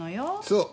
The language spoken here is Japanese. そう。